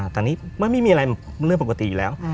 แต่นี่ไม่มีอะไรเรื่องปกติแล้ว